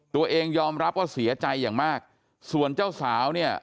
ตัวเองยอมรับว่าเสียใจอย่างมากส่วนเจ้าสาวเนี่ย